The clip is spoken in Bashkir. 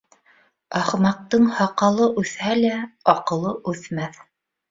Ахмаҡтың һаҡалы үҫһә лә, аҡылы үҫмәҫ.